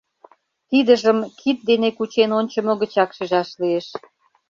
Тидыжым кид дене кучен ончымо гычак шижаш лиеш.